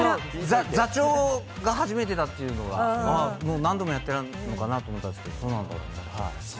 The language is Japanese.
座長が初めてだというのが、もう何度もやっているのかなと思ったんですけれども。